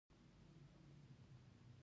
هغوی خپل هیواد ته د پانګې راوړلو لپاره